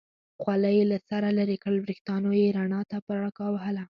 خولۍ یې له سره لرې کړل، وریښتانو یې رڼا ته پړکا وهل.